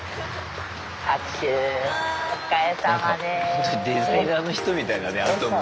ほんとにデザイナーの人みたいだねアトムはもう。